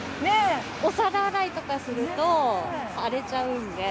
お皿洗いとかすると荒れちゃうんで。